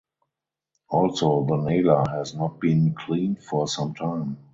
Also the nala has not been cleaned for sometime.